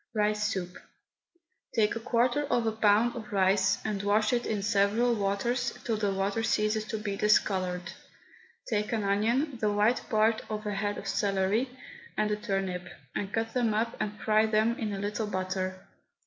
RICE SOUP. Take a quarter of a pound of rice, and wash it in several waters till the water ceases to be discoloured. Take an onion, the white part of a head of celery, and a turnip, and cut them up and fry them in a little butter.